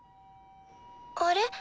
あれ？